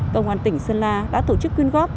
công an tỉnh sơn la đã tổ chức quyên góp